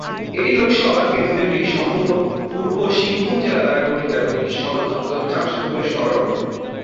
এই লোকসভা কেন্দ্রটি সম্পূর্ণ পূর্ব সিংভূম জেলা দ্বারা গঠিত এবং এটির সদর দফতর জামশেদপুর শহরে অবস্থিত।